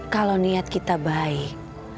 kalau niat kita baik